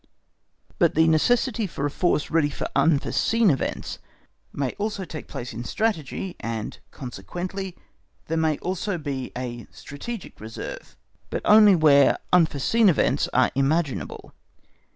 But the necessity for a force ready for unforeseen events may also take place in Strategy, and consequently there may also be a strategic reserve, but only where unforeseen events are imaginable.